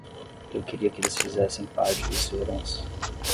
Eu queria que eles fizessem parte de sua herança.